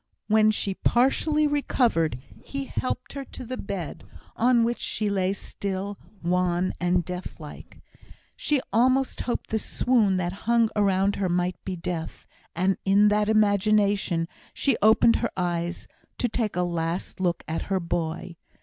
When she partially recovered, he helped her to the bed, on which she lay still, wan and death like. She almost hoped the swoon that hung around her might be Death, and in that imagination she opened her eyes to take a last look at her boy.